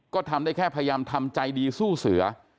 ก็ทำได้แค่พยายามทำใจดีสู้เสือ